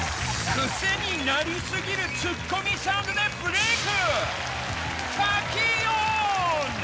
クセになり過ぎるツッコミサウンドでブレイク。